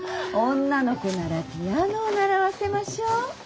女の子ならピアノを習わせましょう。